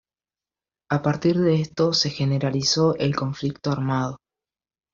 A partir de esto, se generalizó el conflicto armado.